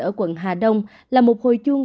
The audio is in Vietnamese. ở quận hà đông là một hồi chuông